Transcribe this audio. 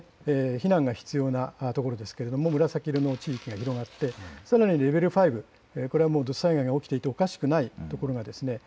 避難が必要なところですが紫色の地域が広がって、さらにレベル５、土砂災害が起きていてもおかしくないところです。